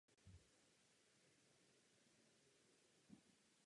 Čeho dalšího jsme dosáhli?